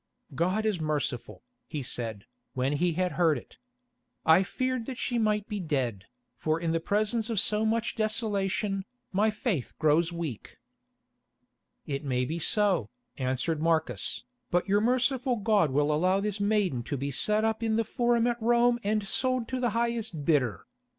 "God is merciful," he said, when he had heard it. "I feared that she might be dead, for in the presence of so much desolation, my faith grows weak." "It may be so," answered Marcus, "but your merciful God will allow this maiden to be set up in the Forum at Rome and sold to the highest bidder.